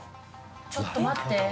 ちょっと待って。